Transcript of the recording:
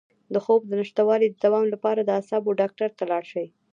د خوب د نشتوالي د دوام لپاره د اعصابو ډاکټر ته لاړ شئ